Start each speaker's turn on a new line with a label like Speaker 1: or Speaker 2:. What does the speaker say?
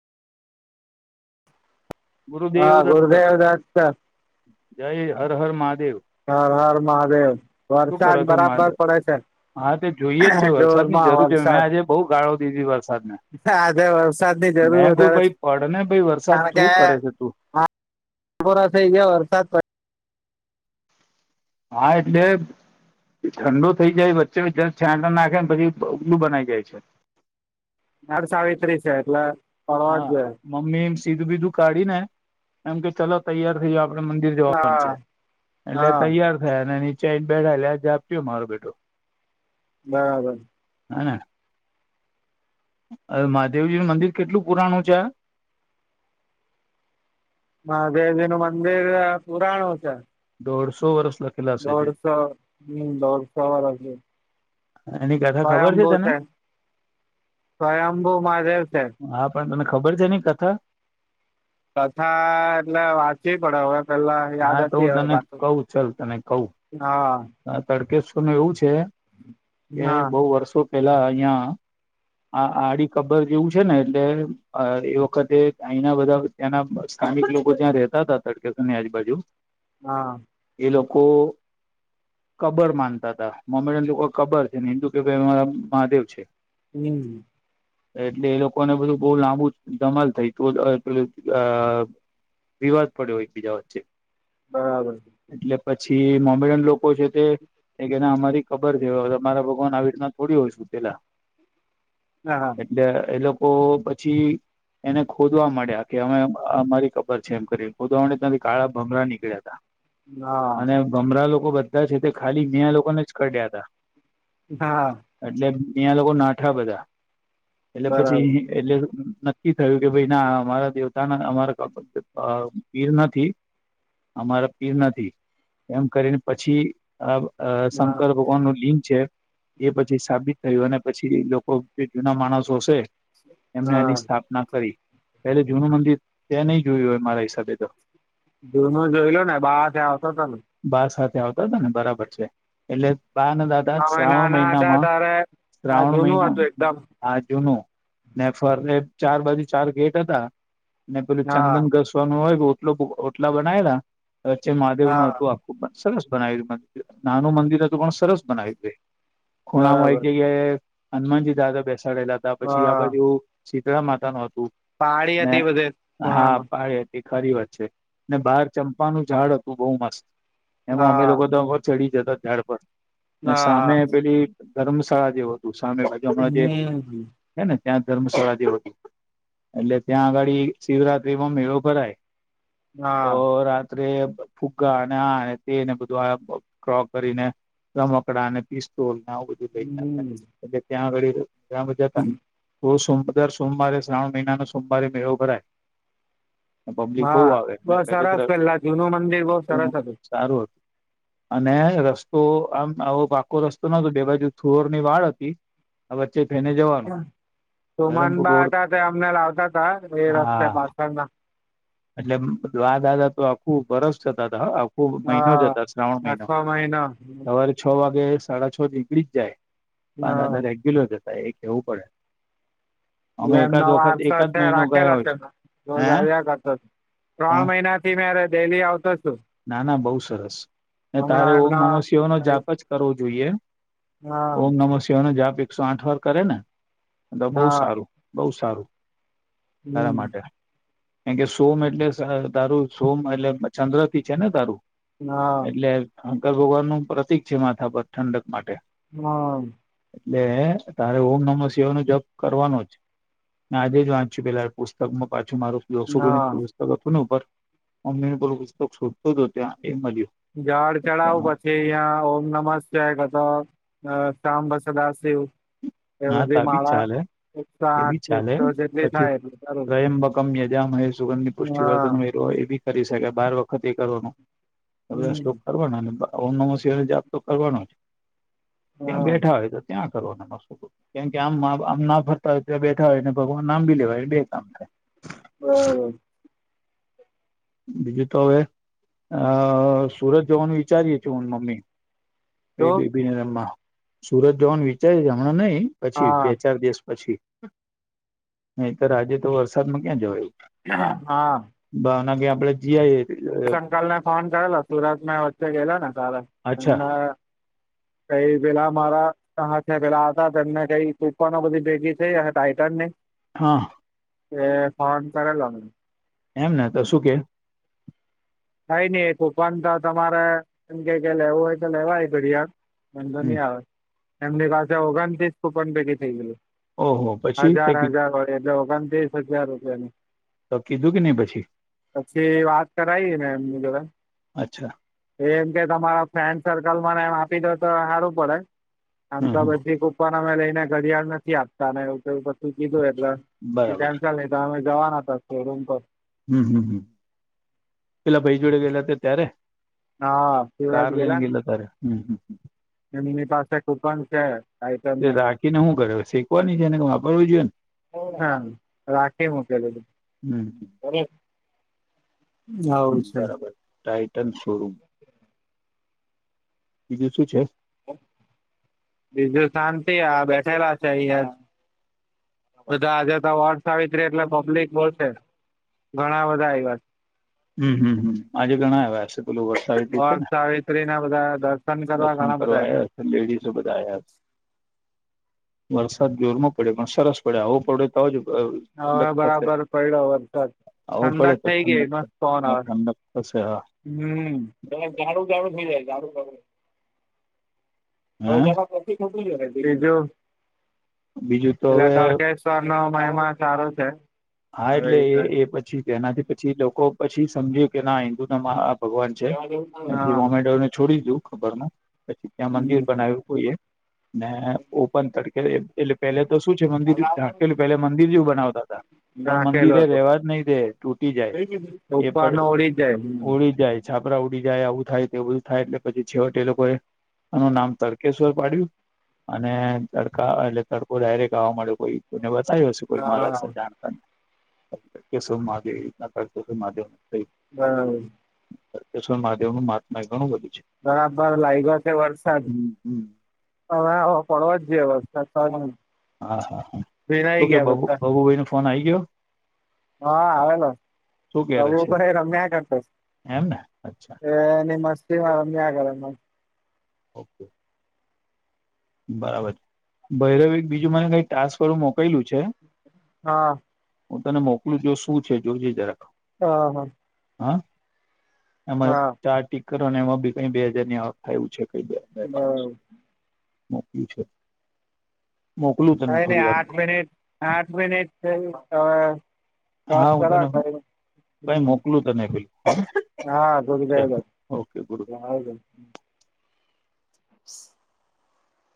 Speaker 1: ગુરુદેવ
Speaker 2: હા
Speaker 1: દત્ત
Speaker 2: ગુરુદેવ દત્ત
Speaker 1: જય હર હર મહાદેવ
Speaker 2: હર હર મહાદેવ
Speaker 1: શું
Speaker 2: વરસાદ
Speaker 1: કરો છો
Speaker 2: બરાબર
Speaker 1: મહાદેવ
Speaker 2: પડે છે.
Speaker 1: હા તો જોઈએ જ છે વરસાદ ની
Speaker 2: જોરમાં
Speaker 1: જરૂર છે મેં
Speaker 2: વરસાદ
Speaker 1: આજે બહુ ગાળો દીધી વરસાદને
Speaker 2: આજે વરસાદ ની જરૂર
Speaker 1: મેં કું
Speaker 2: વધારે
Speaker 1: ભાઈ પડ ને ભાઈ વરસાદ
Speaker 2: કારણ કે
Speaker 1: શું કરે છે તું
Speaker 2: રસ [unintelligible] ગયા વરસાદ પ
Speaker 1: હા એટલે ઠંડો થઈ જાય વચ્ચે જ છાં [unintelligible] નાખે ને પછી ઓગલું બનાઈ જાય છે.
Speaker 2: વટસાવિત્રી છે એટલે પડવા જ
Speaker 1: હા
Speaker 2: જોઈએ
Speaker 1: મમ્મી એમ સીધું બીધું કાઢીને એમ કે ચલો તૈયાર થઈ જવો આપણે મંદિર જવાનું
Speaker 2: હા
Speaker 1: છે એટલે
Speaker 2: હા
Speaker 1: તૈયાર થયા અને નીચે આવીને બેઠા એટલે આ જ આપ્યું મારો બેઠું
Speaker 2: બરાબર
Speaker 1: હ ને હવે મહાદેવજી નું મંદિર કેટલું પુરાણું છે?
Speaker 2: મહાદેવજીનું મંદિર પુરાણું છે.
Speaker 1: દોઢસો વરસ લગ
Speaker 2: દોઢસો હમ દોઢસા વર્ષ
Speaker 1: એની પેલા
Speaker 2: સ્વયંભૂ છે સ્વયંભૂ મહાદેવ છે.
Speaker 1: હા પણ તમને ખબર છે એની કથા
Speaker 2: કથા એટલે વાંચવી પડે હવે પેલા યાદ
Speaker 1: હા તો
Speaker 2: હતી
Speaker 1: હું
Speaker 2: હવે
Speaker 1: તને
Speaker 2: પાછું હા
Speaker 1: આ તળકેશ્વરનુ એવું છે કે
Speaker 2: હા
Speaker 1: બઉ વર્ષો પેલા અહિયાં આ આડી કબર જેવું છે ને એટલે એ વખતે અહીનાં બધાં ત્યાંના સ્થાનિક લોકો ત્યાં રહેતા હતા તડકેસ ની આજુબાજુ
Speaker 2: હા.
Speaker 1: એ લોકો કબર માનતા હતા મમ્મી લોકો કબર છે ને હિન્દુ કે ભાઈ અ મહાદેવ છે.
Speaker 2: હમ
Speaker 1: એટલે એ લોકોને બધું બઉ લાંબુ ધમાલ થઈ તું એ પેલું અ વિવાદ પડ્યો એકબીજા વચ્ચે
Speaker 2: બરાબર
Speaker 1: એટલે પછી મોમ્બેડન લોકો છે કે અમારી ખબર છે તમારા ન આવી રીતના થોડી હોય શું પેલા
Speaker 2: હા હા
Speaker 1: એટલે એ લોકો પછી એને ખોદવા માંડ્યા કે અમે અમારી કબર છે એમ કરી ખોદવા માંડયા ત્યાંથી કાળા ભંમરા નીકળ્યા તા
Speaker 2: હા
Speaker 1: અને ગમરા લોકો બધા છે તે ખાલી મયા લોકોને જ કરડ્યા હતા
Speaker 2: હા
Speaker 1: એટલે મીયા લોકો નાઠા બધા એટલે
Speaker 2: બરાબર
Speaker 1: પછી એટલે નક્કી થયું કે ભાઈ ના અમારા દેવતાના અમારા પીર નથી અમારા પીર નથી એમ કરીને પછ પછી અ અ
Speaker 2: હા
Speaker 1: શંકર ભગવાન નું લિંગ છે એ પછી સાબિત થયું અને પછી લોકો જે જૂના માણસો હશે એમને
Speaker 2: હા
Speaker 1: એની સ્થાપ ના કરી પેલે જૂનું મંદિર ત્યાં નહી જોયું હોય મારા હિસાબે તો
Speaker 2: જૂનો જોઈ લો ને બહાર થી આવતો તા ને
Speaker 1: બા સાથે આવતા હતા નબરાબર છે એટલે બા અને દાદ કદાચ
Speaker 2: અમે
Speaker 1: શ્રાવણ
Speaker 2: નાના હતા
Speaker 1: મહિનામાં
Speaker 2: ત્યારે હા
Speaker 1: શ્રાવણ
Speaker 2: જૂનું
Speaker 1: મહિના
Speaker 2: હતું એકદમ
Speaker 1: હા જુનું ને ફરતે ચાર બાજુ ચાર ગેટ હતા ને પેલું
Speaker 2: હા
Speaker 1: ચંદનગસ્ વાનુ હોય ઓટલો ઓટલા બનાયલા વચ્ચે મહાદેવ નું
Speaker 2: હા
Speaker 1: હતું આખું સરસ બનાયવું નાનું મંદિર હતું પણ સરસ બનાયવું ખૂણામાં એક
Speaker 2: બરાબર
Speaker 1: જગ્યાએ હનુમાનજી દાદા બેસાડેલા હતા પછી આ
Speaker 2: હા
Speaker 1: બધુ શીતળા માતા નું હતું
Speaker 2: પાડી
Speaker 1: ને
Speaker 2: હતી બધે
Speaker 1: હા
Speaker 2: ખૂણામાં
Speaker 1: પાળ એ ખારી વાત છે ને બહાર ચંપાનું ઝાડ હતું બહુ મસ્ત એમાં અમે
Speaker 2: હા
Speaker 1: લોકો તો ઉપર ચડી જતા ઝાડ પર
Speaker 2: હા હા
Speaker 1: સામે પેલી ધર્મશાળા જેવ હતું સામે બાજુ હમણાં જે
Speaker 2: હમ
Speaker 1: હે ને ત્યાં ધર્મશાળા જેવ હતું એટલે ત્યાં આગાડી શિવરાત્રીમાં મેળો ભરાય
Speaker 2: હા
Speaker 1: તો રાત્રે ફુગ્ગા અને આ તેને બધું આ ક્રોક કરીને રમકડાને પીસ્તોલને આવું બધું લઈને
Speaker 2: હમ
Speaker 1: એટલે ત્યાં વળી જતા સમદર સોમવારે શ્રાવણ મહિનાનો સોમવારે મેળો ભરાય પબ્લિક બહુ
Speaker 2: હા
Speaker 1: આવે
Speaker 2: બઉ
Speaker 1: પેલે તો
Speaker 2: સરસ પેલા જૂનું મંદિર બઉ સરસ હતું
Speaker 1: સારું હતું અને રસ્તો આમ આવો પાકો રસ્તો નતો બે બાજુ થુર ની વાળ હતી આ વચ્ચે ફેને જવાનું ધરમપુર
Speaker 2: સુમનબા
Speaker 1: રોડ
Speaker 2: હતા તે અમને લાવતા હતા એ રસ્તે
Speaker 1: હા
Speaker 2: પાછળના
Speaker 1: એટલે એમ દ્વા દાદા તો આખું વરસ જતા હતા ખુબ મહિનો જ
Speaker 2: હા
Speaker 1: હતા શ્રાવણ મહિનો સવારે છ વાગે સાડા છ નીકળી જ જાય તો
Speaker 2: હા
Speaker 1: આનાંદર રેગ્યુલર જતા એ કેવું પડે અમે
Speaker 2: એટલે
Speaker 1: એકાદ
Speaker 2: એમનો
Speaker 1: વખત
Speaker 2: વારસ
Speaker 1: એકાદ
Speaker 2: છે
Speaker 1: મહિનો ગયા
Speaker 2: રાખેલા
Speaker 1: હોય
Speaker 2: છે એમ રોજ
Speaker 1: હે
Speaker 2: આવ્યા કર ત્રણ
Speaker 1: પણ
Speaker 2: મહિના થી મેરે ડેલી આવતો છું
Speaker 1: ના ના બહુ સરસ ને તારે
Speaker 2: હમણાં
Speaker 1: ઓમ
Speaker 2: એમના
Speaker 1: નમો સિંહ નો જાપ જ કરવો જોઈએ
Speaker 2: હા
Speaker 1: ઓમ નમો સિંહ નો જાપ એકસો આઠ વાર કરે ને તો બહુ
Speaker 2: હા
Speaker 1: સારું બહુ સારું તારા
Speaker 2: હમ
Speaker 1: માટે કેમ કે સોમ એટલે તારૂ સોમ એટલે ચંદ્ર થી છે ને તારૂ
Speaker 2: હા
Speaker 1: એટલે શંકર ભગવાન નું પ્રતિક છે માથા પર ઠંડક માટે
Speaker 2: હમ
Speaker 1: એટલે તારે ઓમ નમ શિવા નો જપ કરવાનો જ મે આજે વાંચ્યું પેલા પુસ્તકમાં પાછું મારું દસોકો
Speaker 2: હા
Speaker 1: પુસ્તક હતું ને ઉપર મમ્મી ને બલો પુસ્તક શોધતો જત એ મળ્યું
Speaker 2: જળ ચડાવ
Speaker 1: એમાં
Speaker 2: પછી કે યાં ઓમ નમસ્તેય ક તો શમ બસ દાસદેવ એ
Speaker 1: હા
Speaker 2: બધી
Speaker 1: તા બી
Speaker 2: માળા
Speaker 1: ચાલે
Speaker 2: એક સા
Speaker 1: એ બી
Speaker 2: આઠસો જેટલી થાય એટ કરું
Speaker 1: મ્યજાામ હ સુગંધની પુષ્ટિ
Speaker 2: હા
Speaker 1: વર્તન એ બી કરી શકાય બાર વખત એ કરવાનું હ
Speaker 2: હમ
Speaker 1: શલોક કરવાનો ને ઓમશહની જાત તો કરવાનો જ ત્યાં
Speaker 2: હા
Speaker 1: બેઠા હોય તો ત્યાં કરો અને મસ્લુ કેમ કે આમ આમ ના ફરતા હોય ત્યા બેઠા હોય ને ભગવાન નામ બી લેવાય બે કામ થાય
Speaker 2: હમ
Speaker 1: બીજું તો હવે અ સુરત જોવાનું વિચારીએ છું હું મમ્મી ક
Speaker 2: તો
Speaker 1: બેબી રમાં સુરત જવાનું વિચારે છે હમણાં નઈિ પછી
Speaker 2: હા
Speaker 1: બે ચાર દિવસ પછી અહીતર આજે તો વરસાદમાં ક્યાં જવા
Speaker 2: હા
Speaker 1: ભાવના કે આપડે જીઆઈએ
Speaker 2: અંકલ ને ફોન કરેલો સુરતમાં વચ્ચે ગયેલા ને સારા
Speaker 1: અચ્છા
Speaker 2: એમને
Speaker 1: [inaudible]
Speaker 2: કઈ પેલા મારા હા પેલા હતા એને કઈ તૂકવા બધી ભેગી થઈ ટઇટન ને
Speaker 1: હા
Speaker 2: એ ફોન કર લ
Speaker 1: એમ ને તો શું કે
Speaker 2: થાય નઈ કુપન તો તમારે એમ કે લેવું હોય તો લેવાય ઘડિયાળ એ તો
Speaker 1: હમ
Speaker 2: નહી આવે એમની પાસે ઓગણથીસ કુપન ભેગી થઈ ગયું
Speaker 1: ઓહો પછી તે
Speaker 2: હજાર હજાર હોળી એટલે ઓગણ ત્રીસ હજાર રૂપિયાની
Speaker 1: તો કીધું કે નહી પછી
Speaker 2: પછી વાત કરાઈ મેને એમની જરા
Speaker 1: અચ્છા
Speaker 2: એમ કે તમારા ફ્રેન્ડ સર્કલ ને એમ આપી દે તો સારું પડે આમ
Speaker 1: હમ
Speaker 2: તો
Speaker 1: હમ
Speaker 2: બધી કુપન અમે લઈને ઘડિયાળ નથી આપતા ને એવું તો પછું કીધું એટલે
Speaker 1: બરાબર
Speaker 2: તેમમ ચા ન તો અમે જવાના હતાો રૂમ પર
Speaker 1: હમ હમ પેલા ભાઈ જોડે ગયેલા હતા ત્યારે
Speaker 2: હા શિવરાજ
Speaker 1: કાર લને ગીલ તારે હમ હમ
Speaker 2: એ એની પાસે કુપન છે
Speaker 1: એ
Speaker 2: આઈટમની
Speaker 1: રાખીને શું કરે શીખવાની છે એને વાપરવું જોઈએ ને
Speaker 2: હા રાખે મકેલ
Speaker 1: ને હમ બરાબર ટાઈટન શોરૂમ બીજું શું છે
Speaker 2: બીજુ શાંતિ આ બેઠેલા છે યાર બધા આજે તો વર્સ આવી ત્રી એટલે પબ્લિક બોલશે ઘણા બધા એ્યા
Speaker 1: હમ હમ હ આજે ઘણા આવ્યા હશે પેલો વર
Speaker 2: બર સાવિત્રી ના બધા દર્શન કરવા ઘણા બધા એ
Speaker 1: લેડીસો બધા આવ્યા વરસાદ જોરમાં પડે પણ સરસ પડે આવું પડે તો આવજ
Speaker 2: છે હવે
Speaker 1: ઠંડક થશે
Speaker 2: બરાબર પડ્યો વરસાદ
Speaker 1: આવું પડે
Speaker 2: ઠંડક
Speaker 1: તો
Speaker 2: થઈ ગઈ
Speaker 1: ઠંડક
Speaker 2: મસ્ત
Speaker 1: હ
Speaker 2: પવન આવે
Speaker 1: ઠાંડાશે હ
Speaker 2: હમ બ બાડું ઝાડું થઈ જાય બાડુંઝાડું
Speaker 1: હે
Speaker 2: ટ બીજું
Speaker 1: બીજું તો
Speaker 2: પેલા
Speaker 1: હવે
Speaker 2: ત નો મહિમા સારો છે.
Speaker 1: હા
Speaker 2: આવી
Speaker 1: એટલે એ
Speaker 2: રીતે
Speaker 1: એ પછી તેનાથી પછી લોકો પછી સમજ્યું કે ના હિન્દુ ના ભગવાન છે એથી
Speaker 2: હા
Speaker 1: મોમેડોને છોડી દું ખબર ન પછી ત્યાં મંદિર બનાવ્યું હોઈએ ને ઓપન તડકે એટલે પહેલે તો શું છે મંદિર ઢાંકેું પે મંદિર જેવું બનાવતા હતા પણ મંદિરે
Speaker 2: રાખેલું
Speaker 1: એ રેવા જ નહીિ રે તૂટી જાય
Speaker 2: હતું
Speaker 1: એ
Speaker 2: ઉપર
Speaker 1: પણ
Speaker 2: નો ઉડી જાય
Speaker 1: હોળી જાય છાપરા ઉડી જાય આવું થાય તેવું જ થાય એટલે પછી છેવટે એ લોકોએ એનું નામ તડકેશ્વર પાડ્યું અને તડકા એટલે તડકો ડાયરેક્ટ આવવા ્યો કોઈ કોને બતાવી હશેું કોઈ મારા
Speaker 2: હા
Speaker 1: જાણ કેશો માદના કરતો છે માવ
Speaker 2: હમ
Speaker 1: કેશ્ર મહાદેવ નું મહાત્મા ઘણું બધું છે
Speaker 2: બરાબર લાગ્યો છે વરસાદ
Speaker 1: હમ હમ
Speaker 2: હવેવે પડવા જ જઈએસ્
Speaker 1: હા હા હા તો કે
Speaker 2: બધા
Speaker 1: બબુભાઈ ન ફોન આ ગયો
Speaker 2: હા આવેલો
Speaker 1: શું કરે છે
Speaker 2: તોભર રમ્યા કરતો
Speaker 1: એમ ને અચ્છા
Speaker 2: એ નિમસ્થી આરામી આગલો
Speaker 1: ઓકે બરાબર છે ભૈરવ એક બીજું મને કઈ ટાસ્ક વારું મોકલું છે
Speaker 2: હા
Speaker 1: હું તને મોકલું જો શું છે જોજ જરાખ
Speaker 2: હ હા
Speaker 1: હા એમાં ચાર ટીકરોને એમાં કઈ બે હાજાર ની થયું છે કઈ બે બસ મોકલું છે મોકલું તને થોડી વાર
Speaker 2: હઠ મન
Speaker 1: હા હું તને કઈ મોકલું તનેલ
Speaker 2: હા દોડી હ [unintelligible]